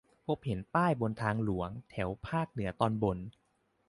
พบเห็นป้ายบนทางหลวง แถวภาคเหนือตอนบน